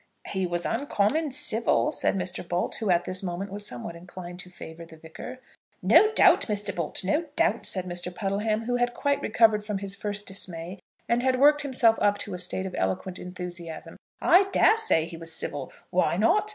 "He was uncommon civil," said Mr. Bolt, who at this moment was somewhat inclined to favour the Vicar. "No doubt, Mr. Bolt; no doubt," said Mr. Puddleham, who had quite recovered from his first dismay, and had worked himself up to a state of eloquent enthusiasm. "I dare say he was civil. Why not?